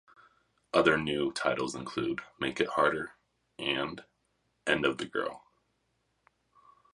Other new titles include "Make It Hard" and "End Of The Girl".